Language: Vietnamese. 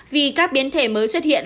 vì các biến thể mới xuất hiện